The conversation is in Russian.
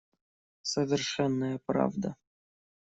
Совершенная правда.